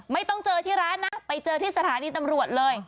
ไม่ต้องเจอที่ร้านนะไปเจอที่สถานีตำรวจเลย